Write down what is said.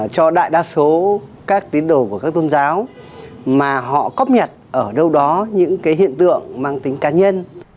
cho đại đa số các tín đồ của các tôn giáo mà họ cóp nhật ở đâu đó những cái hiện tượng mang tính cá nhân